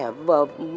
mỗi một cô giáo